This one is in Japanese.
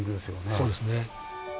そうですね。